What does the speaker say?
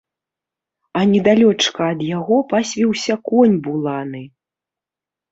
А недалёчка ад яго пасвіўся конь буланы.